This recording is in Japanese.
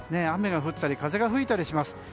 雨が降ったり風が吹いたりします。